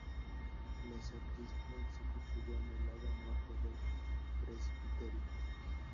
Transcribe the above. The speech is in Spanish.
La sacristía se construyó en el lado norte del presbiterio.